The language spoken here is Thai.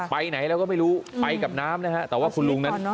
ไปไหนแล้วก็ไม่รู้ไปกับน้ำนะฮะแต่ว่าคุณลุงนั้น